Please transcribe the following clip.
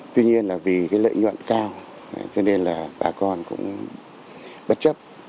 tuy nhiên là vì cái lợi nhuận cao cho nên là bà con cũng bất chấp